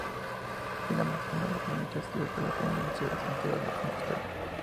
Finalmente su madre le permitió estudiar Geografía en la Universidad de Santiago de Compostela.